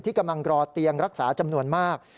กำลังรอเตียงรักษาจำนวนมาก